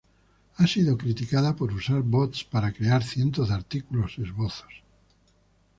Ha sido criticada por usar bots para crear cientos de artículos esbozos.